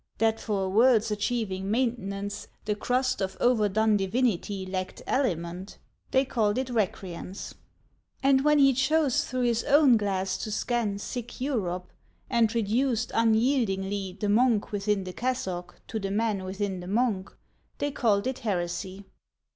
That for a world's achieving maintenance The crust of overdone divinity Lacked aliment, they called it recreance; And when he chose through his own glass to scan Sick Europe, and reduced, unyieldingly, The monk within the cassock to the man Within the monk, they called it heresy.